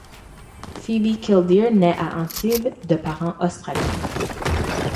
Phoebe Killdeer naît à Antibes de parents australiens.